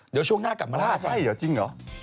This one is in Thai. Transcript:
เดี๋ยวช่วงหน้ากลับมาล่าไปล่าใช่เหรอจริงเหรอ